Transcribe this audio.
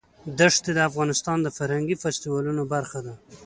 دښتې د افغانستان د فرهنګي فستیوالونو برخه ده.